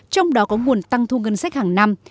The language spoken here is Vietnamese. trong đó có nguồn tăng thu ngân sách hàng năm